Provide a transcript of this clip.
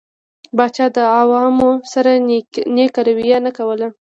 پاچا د عوامو سره نيکه رويه نه کوله.